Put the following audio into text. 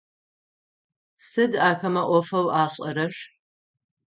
Сыд ахэмэ ӏофэу ашӏэрэр?